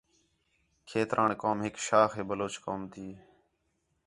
کھیتران قوم ہک شاخ ہے بلوچ قوم تی